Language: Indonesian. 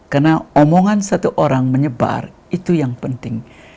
karena omongan satu orang menyebar itu yang penting